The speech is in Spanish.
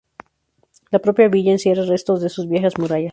La propia villa encierra restos de sus viejas murallas.